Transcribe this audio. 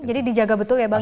jadi dijaga betul ya bang